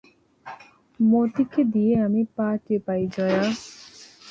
মতিকে দিয়ে আমি পা টেপাই জয়া।